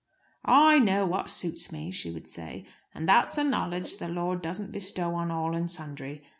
"I know what suits me," she would say. "And that's a knowledge the Lord doesn't bestow on all and sundry.